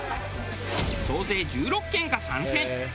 総勢１６軒が参戦。